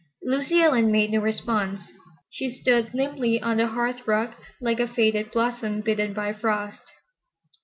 Lucy Ellen made no response. She stood limply on the hearth rug like a faded blossom bitten by frost.